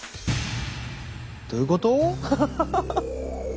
どういうこと？